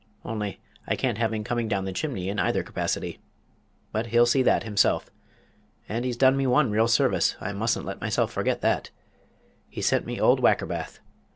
Only, I can't have him coming down the chimney in either capacity. But he'll see that himself. And he's done me one real service I mustn't let myself forget that. He sent me old Wackerbath.